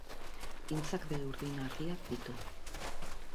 Intzak begi urdin argiak ditu